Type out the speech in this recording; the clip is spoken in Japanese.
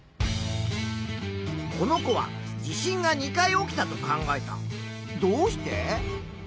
この子は地震が２回起きたと考えた。